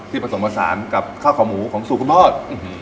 ที่ผสมผสานกับข้าวขอหมูของสูตรพรอด